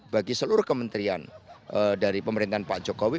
bagi seluruh kementerian dari pemerintahan pak jokowi